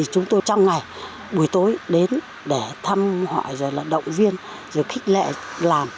chúng tôi trong ngày buổi tối đến để thăm họ động viên khích lệ làm